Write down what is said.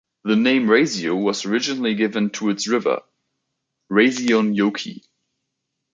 The name "Raisio" was originally given to its river, Raisionjoki.